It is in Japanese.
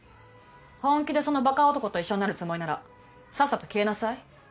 本気でそのバカ男と一緒になるつもりならさっさと消えなさい。